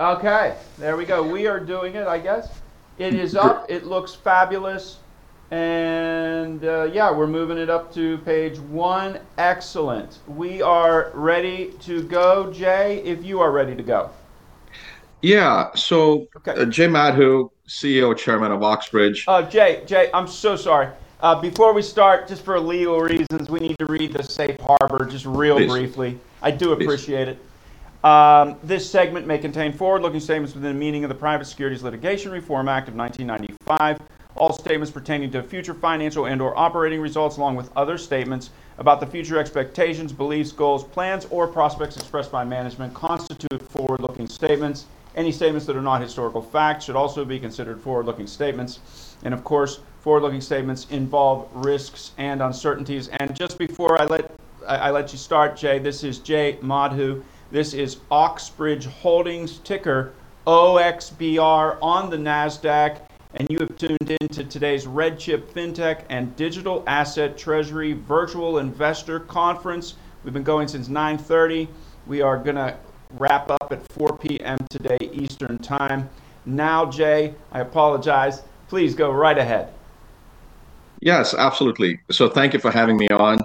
Okay, there we go. We are doing it, I guess. It is up. It looks fabulous. And yeah, we're moving it up to page 1. Excellent. We are ready to go, Jay, if you are ready to go. Yeah. So, Jay Madhu, CEO Chairman of Oxbridge. Oh, Jay. Jay, I'm so sorry. Before we start, just for legal reasons, we need to read the Safe Harbor, just real briefly. I do appreciate it. This segment may contain forward-looking statements within the meaning of the Private Securities Litigation Reform Act of 1995. All statements pertaining to future financial and/or operating results, along with other statements about the future expectations, beliefs, goals, plans, or prospects expressed by management, constitute forward-looking statements. Any statements that are not historical facts should also be considered forward-looking statements. Of course, forward-looking statements involve risks and uncertainties. Just before I let you start, Jay, this is Jay Madhu. This is Oxbridge Re Holdings' ticker, OXBR, on the Nasdaq. You have tuned in to today's RedChip FinTech and Digital Asset Treasury Virtual Investor Conference. We've been going since 9:30. We are going to wrap up at 4:00 P.M. today, Eastern Time. Now, Jay, I apologize. Please go right ahead. Yes, absolutely. Thank you for having me on.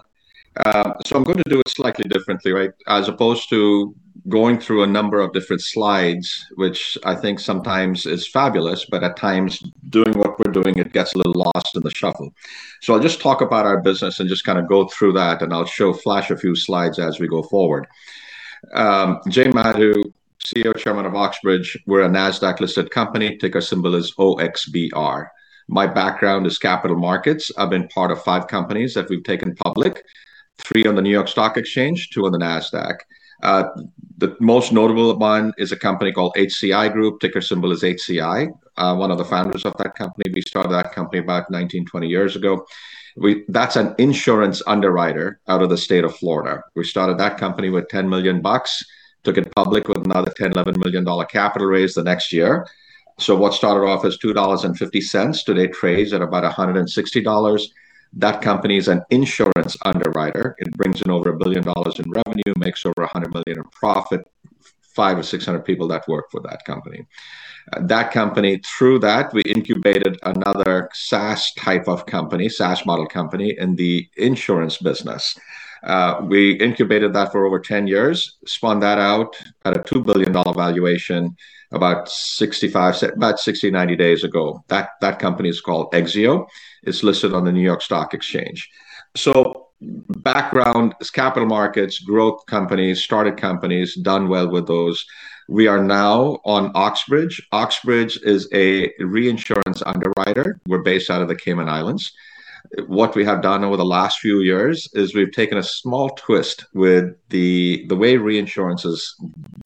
I'm going to do it slightly differently, right, as opposed to going through a number of different slides, which I think sometimes is fabulous, but at times doing what we're doing, it gets a little lost in the shuffle. I'll just talk about our business and just kind of go through that, and I'll flash a few slides as we go forward. Jay Madhu, CEO Chairman of Oxbridge. We're a Nasdaq-listed company. Ticker symbol is OXBR. My background is capital markets. I've been part of 5 companies that we've taken public, 3 on the New York Stock Exchange, 2 on the Nasdaq. The most notable of mine is a company called HCI Group. Ticker symbol is HCI, one of the founders of that company. We started that company about 19, 20 years ago. That's an insurance underwriter out of the state of Florida. We started that company with $10 million, took it public with another $10-$11 million capital raise the next year. So what started off as $2.50 today trades at about $160. That company is an insurance underwriter. It brings in over $1 billion in revenue, makes over $100 million in profit, 500 or 600 people that work for that company. Through that, we incubated another SaaS type of company, SaaS model company, in the insurance business. We incubated that for over 10 years, spun that out at a $2 billion valuation about 60-90 days ago. That company is called Exzeo. It's listed on the New York Stock Exchange. So background is capital markets, growth companies, started companies, done well with those. We are now on Oxbridge. Oxbridge is a reinsurance underwriter. We're based out of the Cayman Islands. What we have done over the last few years is we've taken a small twist with the way reinsurance is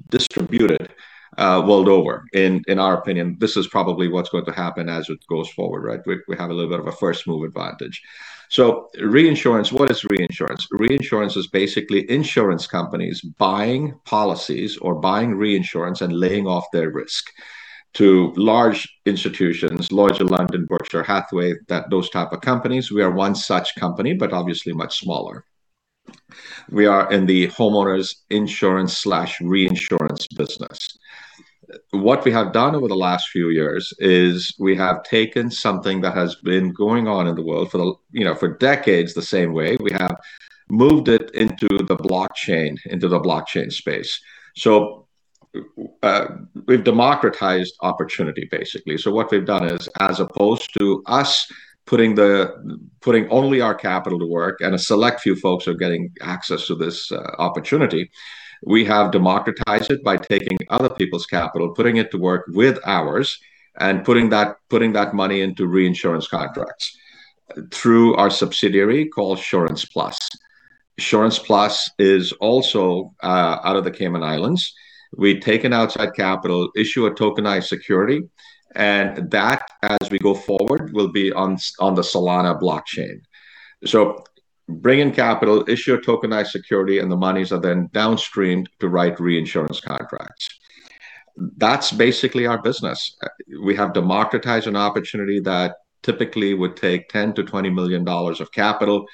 distributed world over. In our opinion, this is probably what's going to happen as it goes forward, right? We have a little bit of a first move advantage. So reinsurance, what is reinsurance? Reinsurance is basically insurance companies buying policies or buying reinsurance and laying off their risk to large institutions, Lloyd's of London, Berkshire Hathaway, those type of companies. We are one such company, but obviously much smaller. We are in the homeowners insurance/reinsurance business. What we have done over the last few years is we have taken something that has been going on in the world for decades the same way. We have moved it into the blockchain, into the blockchain space. So we've democratized opportunity, basically. What we've done is, as opposed to us putting only our capital to work and a select few folks are getting access to this opportunity, we have democratized it by taking other people's capital, putting it to work with ours, and putting that money into reinsurance contracts through our subsidiary called SurancePlus. SurancePlus is also out of the Cayman Islands. We take in outside capital, issue a tokenized security, and that, as we go forward, will be on the Solana blockchain. Bring in capital, issue a tokenized security, and the monies are then downstream to write reinsurance contracts. That's basically our business. We have democratized an opportunity that typically would take $10 million-$20 million of capital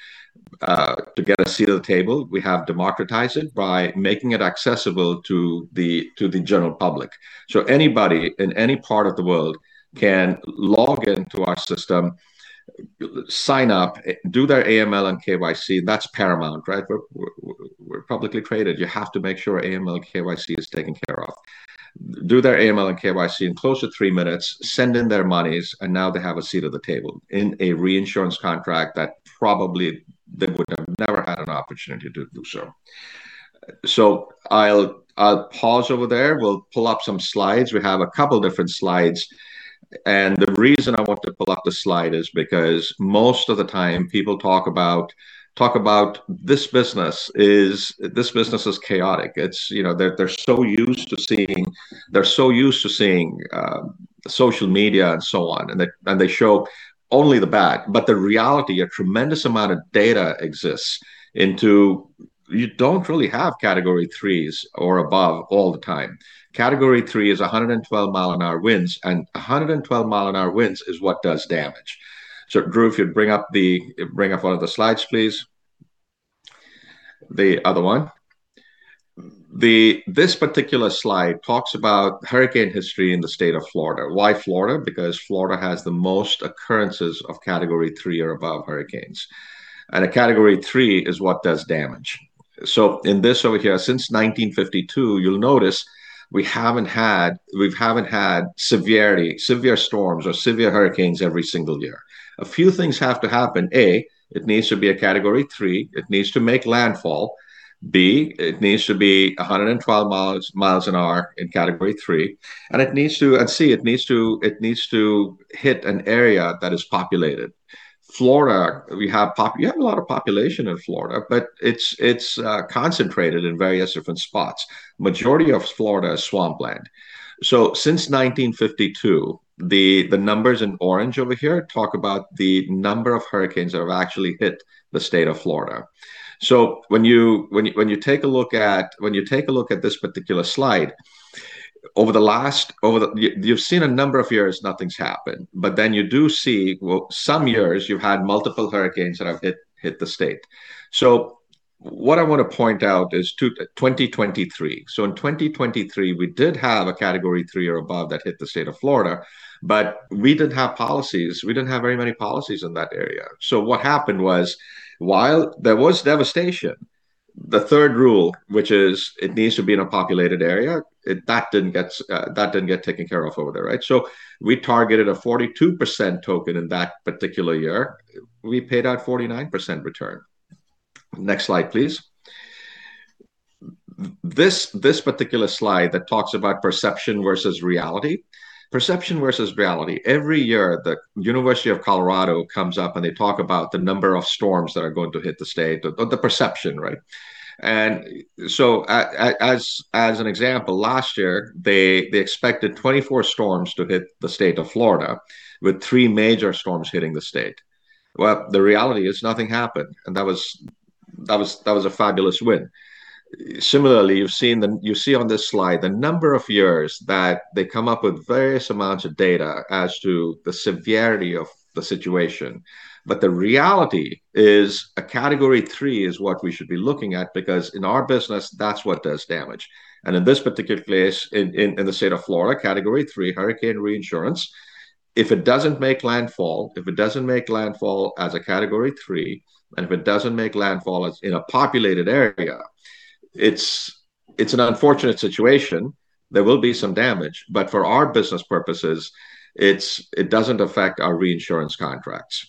to get a seat at the table. We have democratized it by making it accessible to the general public. So anybody in any part of the world can log into our system, sign up, do their AML and KYC. That's paramount, right? We're publicly traded. You have to make sure AML and KYC is taken care of. Do their AML and KYC in close to three minutes, send in their monies, and now they have a seat at the table in a reinsurance contract that probably they would have never had an opportunity to do so. So I'll pause over there. We'll pull up some slides. We have a couple of different slides. And the reason I want to pull up the slide is because most of the time, people talk about this business is chaotic. They're so used to seeing they're so used to seeing social media and so on, and they show only the bad. But the reality, a tremendous amount of data exists, and you don't really have category threes or above all the time. Category three is 112 mile an hour winds, and 112 mile an hour winds is what does damage. So Drew, if you'd bring up one of the slides, please. The other one. This particular slide talks about hurricane history in the state of Florida. Why Florida? Because Florida has the most occurrences of category three or above hurricanes. And a category three is what does damage. So in this over here, since 1952, you'll notice we haven't had severe storms or severe hurricanes every single year. A few things have to happen. A, it needs to be a category three. It needs to make landfall. B, it needs to be 112 miles an hour in category three. And C, it needs to hit an area that is populated. Florida, we have a lot of population in Florida, but it's concentrated in various different spots. Majority of Florida is swampland. So since 1952, the numbers in orange over here talk about the number of hurricanes that have actually hit the state of Florida. So when you take a look at this particular slide, over the last you've seen a number of years nothing's happened. But then you do see some years you've had multiple hurricanes that have hit the state. So what I want to point out is 2023. So in 2023, we did have a Category 3 or above that hit the state of Florida, but we didn't have policies. We didn't have very many policies in that area. What happened was, while there was devastation, the third rule, which is it needs to be in a populated area, that didn't get taken care of over there, right? We targeted a 42% token in that particular year. We paid out a 49% return. Next slide, please. This particular slide talks about perception versus reality. Perception versus reality. Every year, Colorado State University comes up and they talk about the number of storms that are going to hit the state, the perception, right? As an example, last year, they expected 24 storms to hit the state of Florida, with three major storms hitting the state. Well, the reality is nothing happened. That was a fabulous win. Similarly, you see on this slide the number of years that they come up with various amounts of data as to the severity of the situation. But the reality is a Category 3 is what we should be looking at because in our business, that's what does damage. And in this particular case, in the state of Florida, Category 3 hurricane reinsurance, if it doesn't make landfall, if it doesn't make landfall as a Category 3, and if it doesn't make landfall in a populated area, it's an unfortunate situation. There will be some damage. But for our business purposes, it doesn't affect our reinsurance contracts.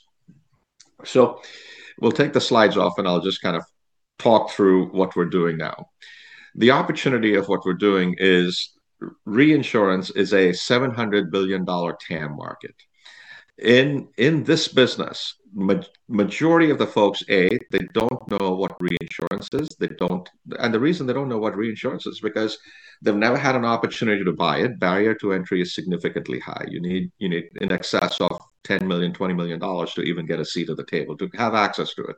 So we'll take the slides off and I'll just kind of talk through what we're doing now. The opportunity of what we're doing is reinsurance is a $700 billion TAM market. In this business, the majority of the folks, A, they don't know what reinsurance is. And the reason they don't know what reinsurance is is because they've never had an opportunity to buy it. Barrier to entry is significantly high. You need in excess of $10 million, $20 million to even get a seat at the table, to have access to it.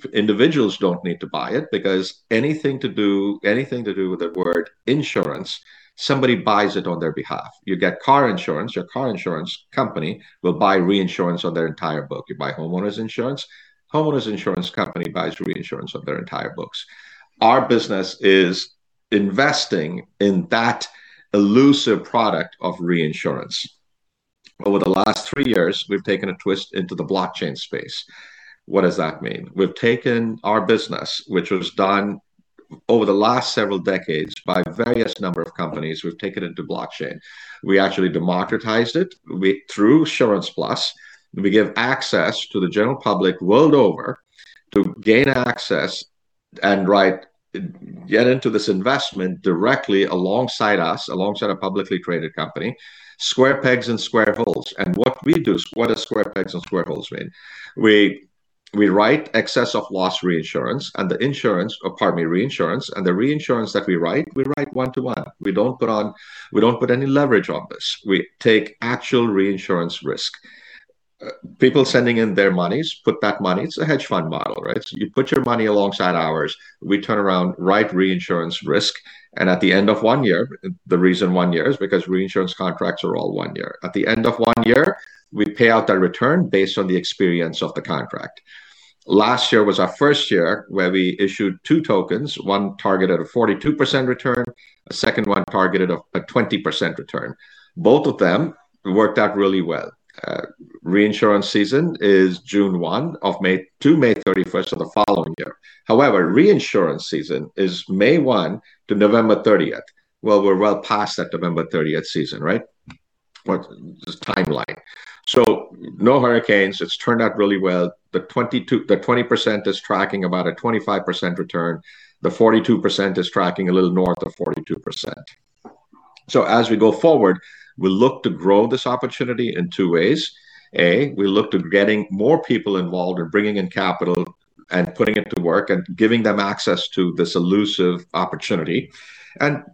But individuals don't need to buy it because anything to do with the word insurance, somebody buys it on their behalf. You get car insurance. Your car insurance company will buy reinsurance on their entire book. You buy homeowners insurance. Homeowners insurance company buys reinsurance on their entire books. Our business is investing in that elusive product of reinsurance. Over the last three years, we've taken a twist into the blockchain space. What does that mean? We've taken our business, which was done over the last several decades by a various number of companies, we've taken it to blockchain. We actually democratized it through SurancePlus. We give access to the general public world over to gain access and get into this investment directly alongside us, alongside a publicly traded company, square pegs and square holes. And what we do, what do square pegs and square holes mean? We write excess of loss reinsurance and the insurance, or pardon me, reinsurance and the reinsurance that we write, we write one to one. We don't put on we don't put any leverage on this. We take actual reinsurance risk. People sending in their monies, put that money, it's a hedge fund model, right? So you put your money alongside ours. We turn around, write reinsurance risk. And at the end of one year, the reason one year is because reinsurance contracts are all one year. At the end of one year, we pay out that return based on the experience of the contract. Last year was our first year where we issued two tokens, one targeted a 42% return, a second one targeted a 20% return. Both of them worked out really well. Reinsurance season is June 1 to May 31st of the following year. However, reinsurance season is May 1 to November 30th. Well, we're well past that November 30th season, right? This timeline. So no hurricanes. It's turned out really well. The 20% is tracking about a 25% return. The 42% is tracking a little north of 42%. So as we go forward, we look to grow this opportunity in two ways. A, we look to getting more people involved and bringing in capital and putting it to work and giving them access to this elusive opportunity. And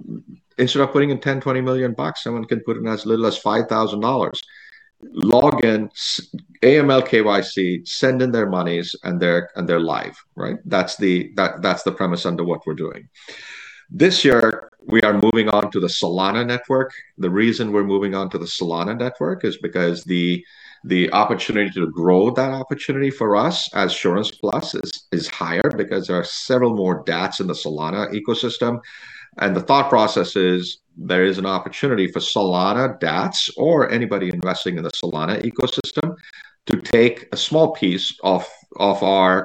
instead of putting in $10 million, $20 million bucks, someone can put in as little as $5,000. Log in, AML, KYC, send in their monies, and they're live, right? That's the premise under what we're doing. This year, we are moving on to the Solana network. The reason we're moving on to the Solana network is because the opportunity to grow that opportunity for us as SurancePlus is higher because there are several more dApps in the Solana ecosystem. And the thought process is there is an opportunity for Solana dApps or anybody investing in the Solana ecosystem to take a small piece of our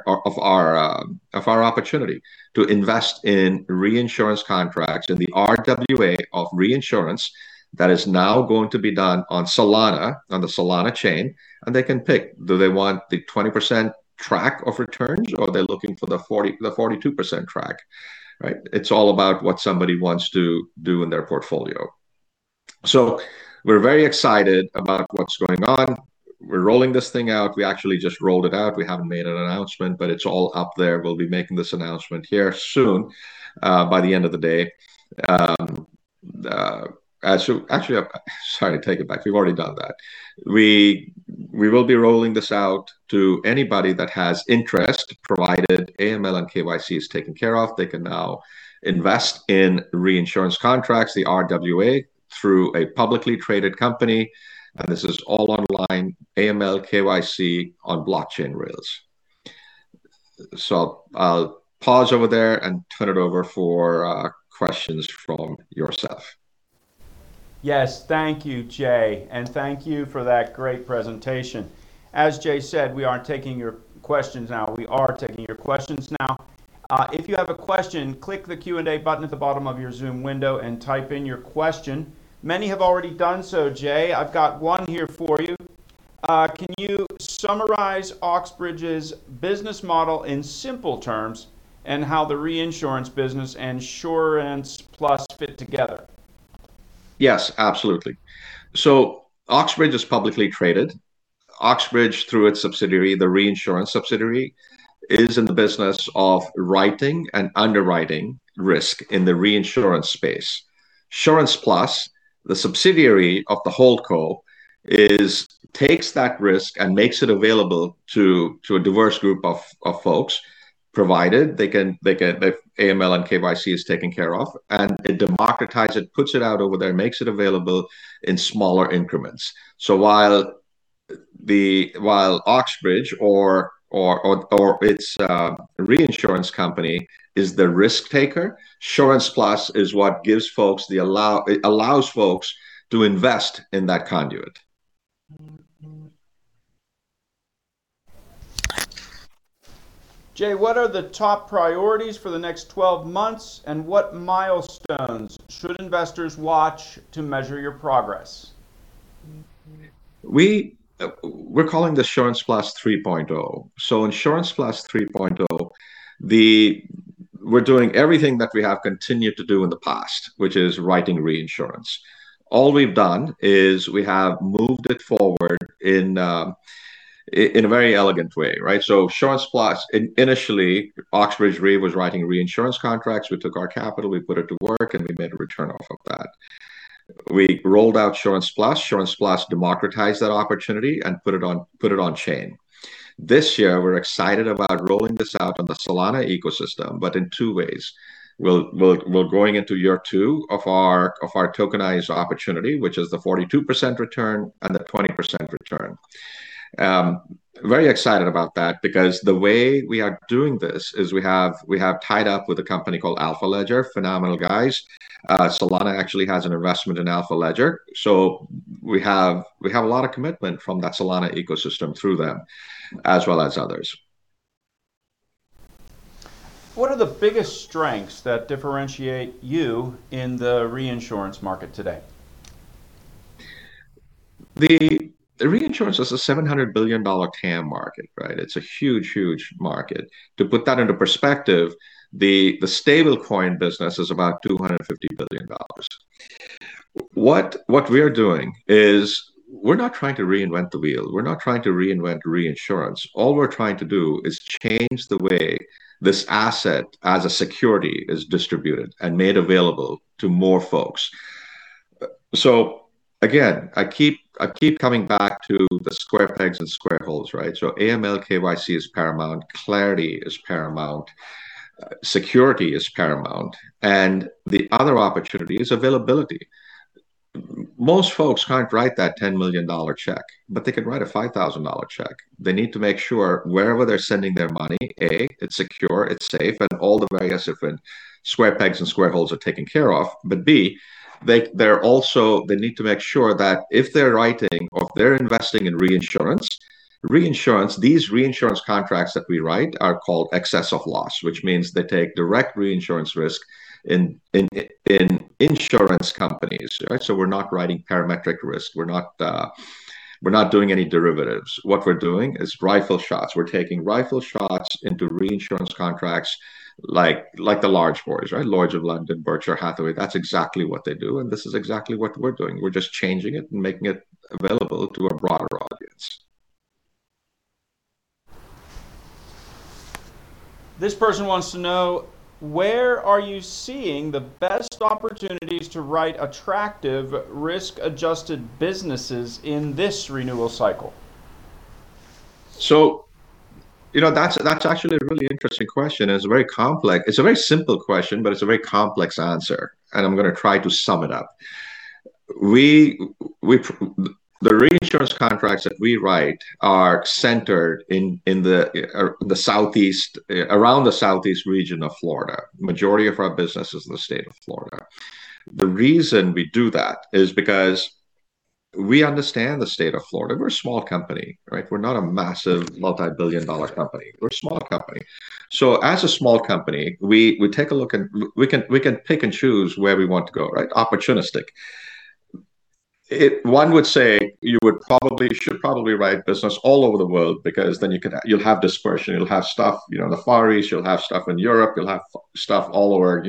opportunity, to invest in reinsurance contracts in the RWA of reinsurance that is now going to be done on Solana, on the Solana chain. And they can pick. Do they want the 20% track of returns or are they looking for the 42% track, right? It's all about what somebody wants to do in their portfolio. So we're very excited about what's going on. We're rolling this thing out. We actually just rolled it out. We haven't made an announcement, but it's all up there. We'll be making this announcement here soon by the end of the day. Actually, sorry, take it back. We've already done that. We will be rolling this out to anybody that has interest, provided AML and KYC is taken care of. They can now invest in reinsurance contracts, the RWA, through a publicly traded company. And this is all online, AML, KYC on blockchain rails. So I'll pause over there and turn it over for questions from yourself. Yes. Thank you, Jay. Thank you for that great presentation. As Jay said, we aren't taking your questions now. We are taking your questions now. If you have a question, click the Q&A button at the bottom of your Zoom window and type in your question. Many have already done so, Jay. I've got one here for you. Can you summarize Oxbridge's business model in simple terms and how the reinsurance business and Assurance Plus fit together? Yes, absolutely. So Oxbridge is publicly traded. Oxbridge, through its subsidiary, the reinsurance subsidiary, is in the business of writing and underwriting risk in the reinsurance space. SurancePlus, the subsidiary of the holding company, takes that risk and makes it available to a diverse group of folks, provided AML and KYC is taken care of. And it democratizes it, puts it out over there, makes it available in smaller increments. So while Oxbridge or its reinsurance company is the risk taker, SurancePlus is what allows folks to invest in that conduit. Jay, what are the top priorities for the next 12 months and what milestones should investors watch to measure your progress? We're calling this Assurance Plus 3.0. So Assurance Plus 3.0, we're doing everything that we have continued to do in the past, which is writing reinsurance. All we've done is we have moved it forward in a very elegant way, right? So Assurance Plus, initially, Oxbridge Re Wrendon Timothy was writing reinsurance contracts. We took our capital, we put it to work, and we made a return off of that. We rolled out Assurance Plus. Assurance Plus democratized that opportunity and put it on chain. This year, we're excited about rolling this out on the Solana ecosystem, but in two ways. We're going into year two of our tokenized opportunity, which is the 42% return and the 20% return. Very excited about that because the way we are doing this is we have tied up with a company called Alpha Ledger, phenomenal guys. Solana actually has an investment in Alpha Ledger. So we have a lot of commitment from that Solana ecosystem through them, as well as others. What are the biggest strengths that differentiate you in the reinsurance market today? Reinsurance is a $700 billion TAM market, right? It's a huge, huge market. To put that into perspective, the stablecoin business is about $250 billion. What we are doing is we're not trying to reinvent the wheel. We're not trying to reinvent reinsurance. All we're trying to do is change the way this asset as a security is distributed and made available to more folks. I keep coming back to the square pegs and square holes, right? AML, KYC is paramount. Clarity is paramount. Security is paramount. The other opportunity is availability. Most folks can't write that $10 million check, but they can write a $5,000 check. They need to make sure wherever they're sending their money, A, it's secure, it's safe, and all the various different square pegs and square holes are taken care of. But they need to make sure that if they're writing or if they're investing in reinsurance, these reinsurance contracts that we write are called excess of loss, which means they take direct reinsurance risk in insurance companies, right? So we're not writing parametric risk. We're not doing any derivatives. What we're doing is rifle shots. We're taking rifle shots into reinsurance contracts like the large boys, right? Lloyd's of London, Berkshire Hathaway, that's exactly what they do. And this is exactly what we're doing. We're just changing it and making it available to a broader audience. This person wants to know, where are you seeing the best opportunities to write attractive risk-adjusted businesses in this renewal cycle? So that's actually a really interesting question. It's very complex. It's a very simple question, but it's a very complex answer. And I'm going to try to sum it up. The reinsurance contracts that we write are centered around the Southeast region of Florida. Majority of our business is in the state of Florida. The reason we do that is because we understand the state of Florida. We're a small company, right? We're not a massive multibillion-dollar company. We're a small company. So as a small company, we take a look and we can pick and choose where we want to go, right? Opportunistic. One would say you should probably write business all over the world because then you'll have dispersion. You'll have stuff in the Far East. You'll have stuff in Europe. You'll have stuff all over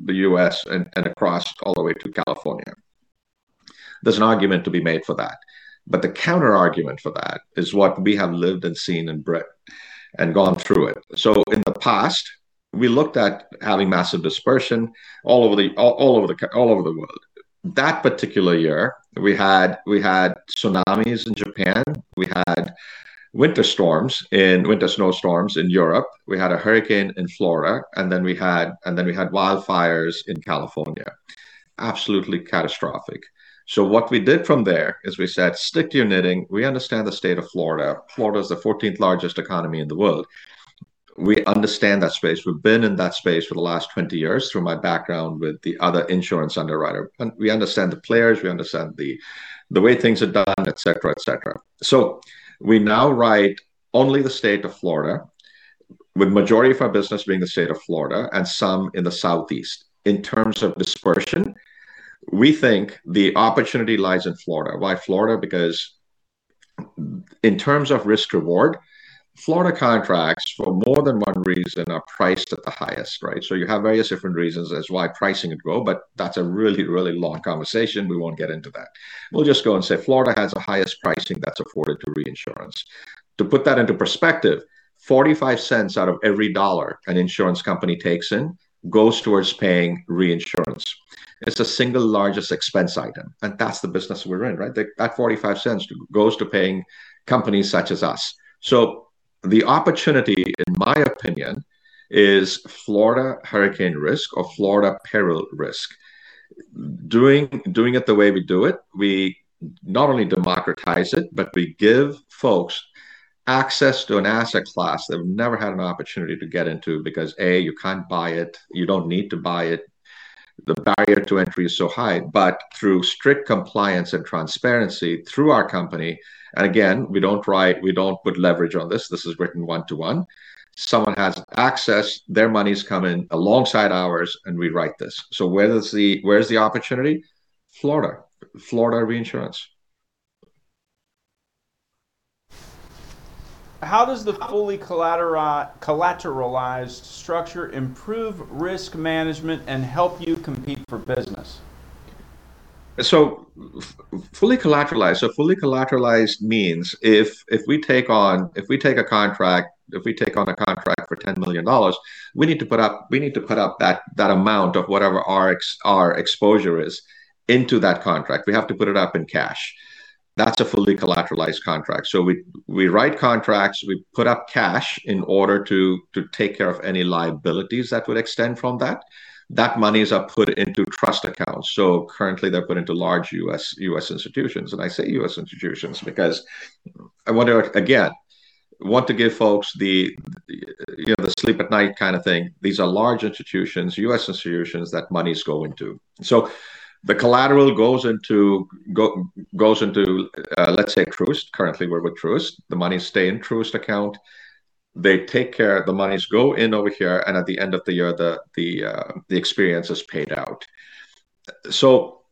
the U.S. and across all the way to California. There's an argument to be made for that. But the counterargument for that is what we have lived and seen and gone through it. So in the past, we looked at having massive dispersion all over the world. That particular year, we had tsunamis in Japan. We had winter snowstorms in Europe. We had a hurricane in Florida. And then we had wildfires in California. Absolutely catastrophic. So what we did from there is we said, stick to your knitting. We understand the state of Florida. Florida is the 14th largest economy in the world. We understand that space. We've been in that space for the last 20 years through my background with the other insurance underwriter. And we understand the players. We understand the way things are done, etc., etc. So we now write only the state of Florida, with the majority of our business being the state of Florida and some in the Southeast. In terms of dispersion, we think the opportunity lies in Florida. Why Florida? Because in terms of risk-reward, Florida contracts for more than one reason are priced at the highest, right? So you have various different reasons as why pricing would go. But that's a really, really long conversation. We won't get into that. We'll just go and say Florida has the highest pricing that's afforded to reinsurance. To put that into perspective, $0.45 out of every $1 an insurance company takes in goes towards paying reinsurance. It's the single largest expense item. And that's the business we're in, right? That $0.45 goes to paying companies such as us. So the opportunity, in my opinion, is Florida hurricane risk or Florida peril risk. Doing it the way we do it, we not only democratize it, but we give folks access to an asset class they've never had an opportunity to get into because, A, you can't buy it. You don't need to buy it. The barrier to entry is so high. But through strict compliance and transparency through our company and again, we don't put leverage on this. This is written one-to-one. Someone has access. Their money's coming alongside ours. And we write this. So where's the opportunity? Florida, Florida reinsurance. How does the fully collateralized structure improve risk management and help you compete for business? Fully collateralized means if we take on a contract for $10 million, we need to put up that amount of whatever our exposure is into that contract. We have to put it up in cash. That's a fully collateralized contract. So we write contracts. We put up cash in order to take care of any liabilities that would extend from that. That money is put into trust accounts. So currently, they're put into large U.S. institutions. And I say U.S. institutions because I want to, again, give folks the sleep at night kind of thing. These are large institutions, U.S. institutions, that money's going to. So the collateral goes into, let's say, Truist. Currently, we're with Truist. The money stays in Truist's account. They take care. The money's going over here. And at the end of the year, the experience is paid out. So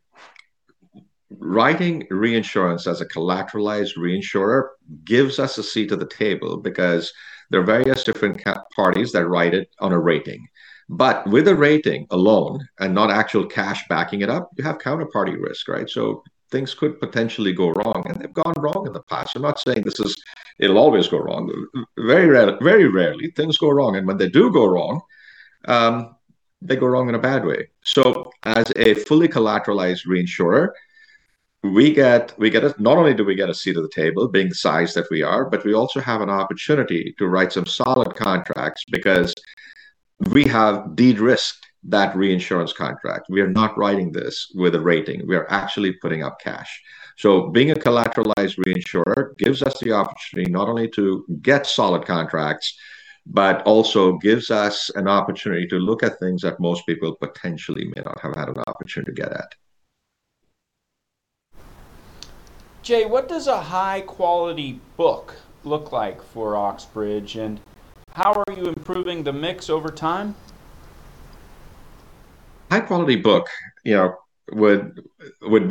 writing reinsurance as a collateralized reinsurer gives us a seat at the table because there are various different parties that write it on a rating. But with a rating alone and not actual cash backing it up, you have counterparty risk, right? So things could potentially go wrong. And they've gone wrong in the past. I'm not saying it'll always go wrong. Very rarely things go wrong. And when they do go wrong, they go wrong in a bad way. So as a fully collateralized reinsurer, we get not only do we get a seat at the table being the size that we are, but we also have an opportunity to write some solid contracts because we have de-risked that reinsurance contract. We are not writing this with a rating. We are actually putting up cash. So being a collateralized reinsurer gives us the opportunity not only to get solid contracts, but also gives us an opportunity to look at things that most people potentially may not have had an opportunity to get at. Jay, what does a high-quality book look like for Oxbridge? How are you improving the mix over time? High-quality book would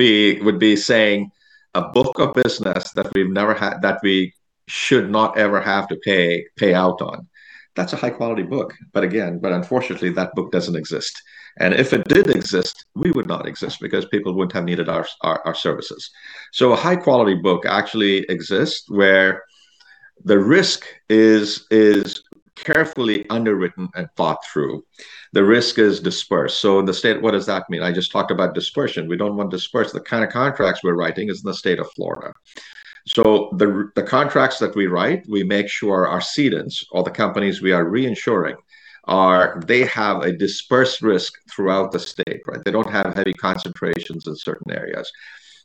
be saying a book of business that we should not ever have to pay out on. That's a high-quality book. But again, unfortunately, that book doesn't exist. And if it did exist, we would not exist because people wouldn't have needed our services. So a high-quality book actually exists where the risk is carefully underwritten and thought through. The risk is dispersed. So in the state, what does that mean? I just talked about dispersion. We don't want dispersed. The kind of contracts we're writing is in the state of Florida. So the contracts that we write, we make sure our cedants or the companies we are reinsuring, they have a dispersed risk throughout the state, right? They don't have heavy concentrations in certain areas.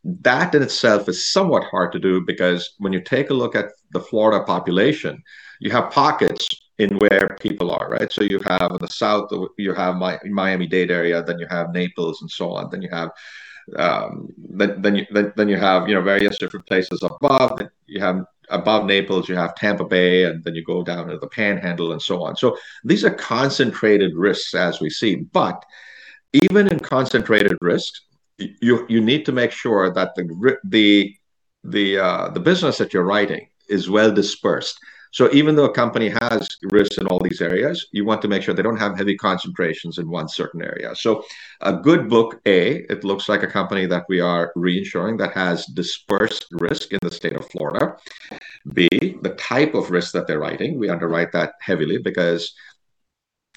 That in itself is somewhat hard to do because when you take a look at the Florida population, you have pockets in where people are, right? So you have in the south, you have Miami-Dade area. Then you have Naples and so on. Then you have various different places above. Above Naples, you have Tampa Bay. And then you go down to the Panhandle and so on. So these are concentrated risks, as we see. But even in concentrated risk, you need to make sure that the business that you're writing is well dispersed. So even though a company has risks in all these areas, you want to make sure they don't have heavy concentrations in one certain area. So a good book, A, it looks like a company that we are reinsuring that has dispersed risk in the state of Florida. B, the type of risk that they're writing, we underwrite that heavily because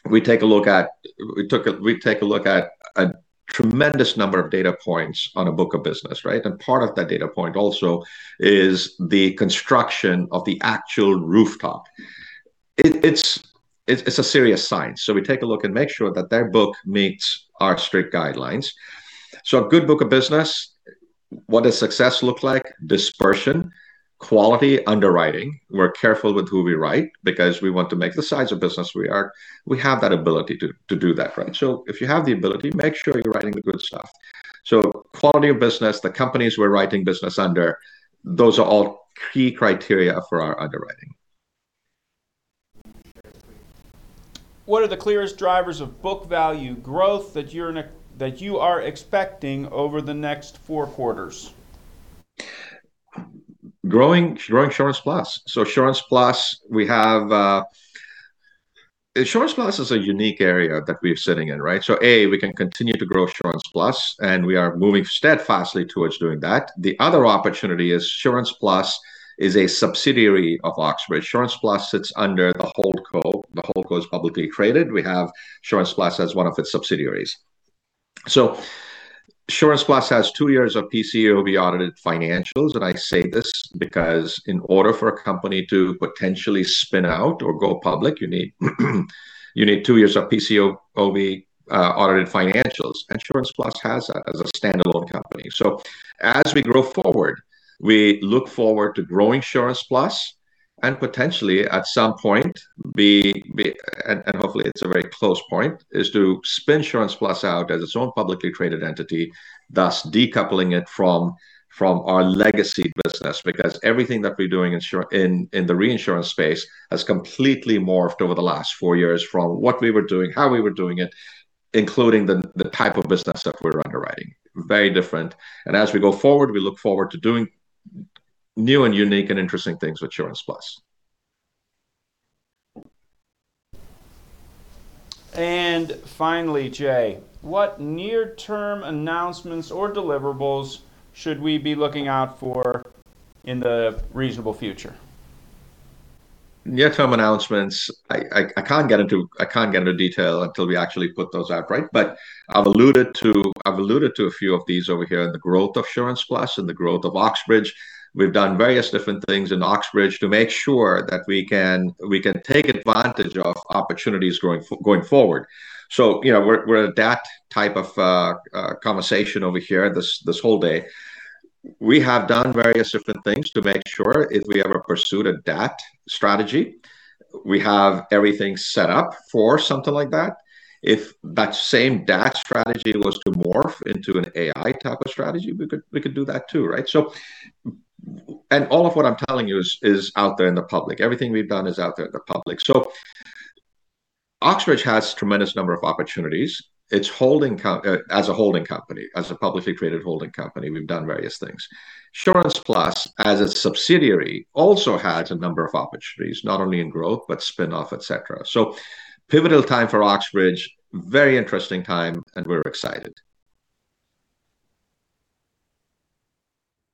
we take a look at a tremendous number of data points on a book of business, right? And part of that data point also is the construction of the actual rooftop. It's a serious science. So we take a look and make sure that their book meets our strict guidelines. So a good book of business, what does success look like? Dispersion, quality underwriting. We're careful with who we write because we want to make the size of business we are. We have that ability to do that, right? So quality of business, the companies we're writing business under, those are all key criteria for our underwriting. What are the clearest drivers of book value growth that you are expecting over the next four quarters? Growing SurancePlus. So SurancePlus, we have SurancePlus is a unique area that we're sitting in, right? So A, we can continue to grow SurancePlus. And we are moving steadfastly towards doing that. The other opportunity is SurancePlus is a subsidiary of Oxbridge. SurancePlus sits under the Hold Co. The Hold Co is publicly traded. We have SurancePlus as one of its subsidiaries. So SurancePlus has two years of PCAOB-audited financials. And I say this because in order for a company to potentially spin out or go public, you need two years of PCAOB-audited financials. SurancePlus has that as a standalone company. So as we grow forward, we look forward to growing SurancePlus. Potentially, at some point, and hopefully, it's a very close point, is to spin SurancePlus out as its own publicly traded entity, thus decoupling it from our legacy business because everything that we're doing in the reinsurance space has completely morphed over the last four years from what we were doing, how we were doing it, including the type of business that we're underwriting. Very different. As we go forward, we look forward to doing new and unique and interesting things with SurancePlus. Finally, Jay, what near-term announcements or deliverables should we be looking out for in the reasonable future? Near-term announcements, I can't get into detail until we actually put those out, right? But I've alluded to a few of these over here in the growth of Assurance Plus and the growth of Oxbridge. We've done various different things in Oxbridge to make sure that we can take advantage of opportunities going forward. So we're in that type of conversation over here this whole day. We have done various different things to make sure if we ever pursued a DAT strategy, we have everything set up for something like that. If that same DAT strategy was to morph into an AI type of strategy, we could do that too, right? And all of what I'm telling you is out there in the public. Everything we've done is out there in the public. So Oxbridge has a tremendous number of opportunities as a holding company, as a publicly traded holding company. We've done various things. Assurance Plus, as a subsidiary, also has a number of opportunities, not only in growth, but spinoff, etc. So pivotal time for Oxbridge. Very interesting time. And we're excited.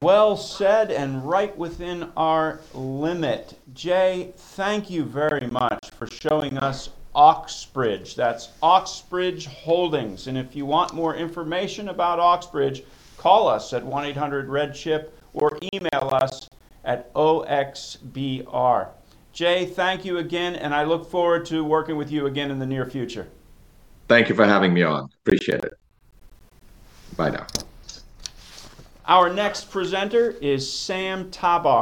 Well said and right within our limit. Jay, thank you very much for showing us Oxbridge. That's Oxbridge Holdings. And if you want more information about Oxbridge, call us at 1-800-REDCHIP or email us at O-X-B-R. Jay, thank you again. And I look forward to working with you again in the near future. Thank you for having me on. Appreciate it. Bye now. Our next presenter is Sam Tabar.